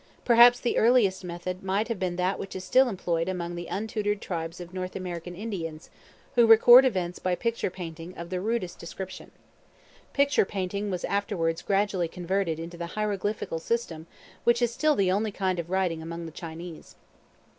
Perhaps the earliest method might have been that which is still employed among the untutored tribes of North American Indians, who record events by picture painting of the rudest description. Picture painting was afterwards gradually converted into the hieroglyphical system, which is still the only kind of writing among the Chinese.